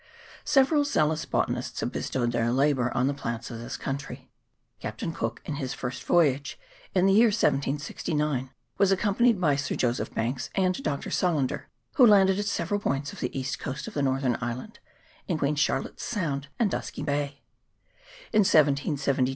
Several zealous botanists have bestowed their labour on the plants of this country. Captain Cook, in his first voyage, in the year 1769, was accompanied by Sir Joseph Banks and Dr. Solander, who landed at several points of the east coast of the northern island, in Queen Charlotte's 2E2 420 THE BOTANY OF [PART II Sound and Dusky Bay.